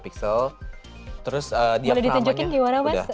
boleh ditunjukin gimana mas pivot camera nya